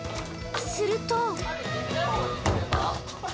すると。